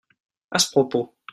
à ce propos.